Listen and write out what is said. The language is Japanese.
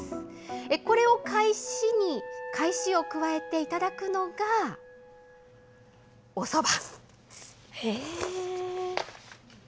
これに返しを加えて頂くのが、おそば。